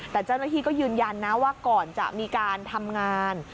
แต่เจ้าหน้าที่ก็ยืนยันนะว่าก่อนจะมีการทำงาน